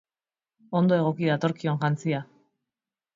Ondo egoki datorkion jantzia.